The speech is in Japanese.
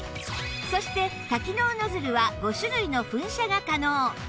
そして多機能ノズルは５種類の噴射が可能